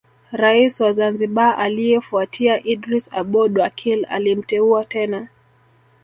Rais wa Zanzibar aliyefuatia Idris Aboud Wakil alimteua tena